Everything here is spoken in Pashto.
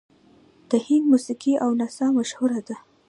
د هند موسیقي او نڅا مشهوره ده.